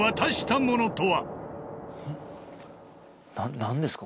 何ですか？